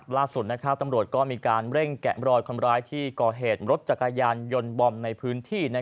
ล่าสุดตำรวจก็มีการเร่งแกะรอยคนร้ายที่ก่อเหตุรถจักรยานยนต์บอมในพื้นที่